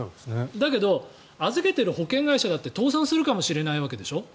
だけど預けている保険会社だって倒産するかもしれないわけでしょ。